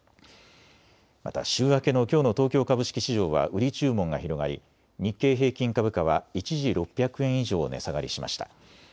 また週明けのきょうの東京株式市場は売り注文が広がり日経平均株価は一時６００円以上値下がりしました。